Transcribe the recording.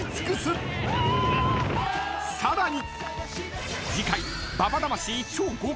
［さらに］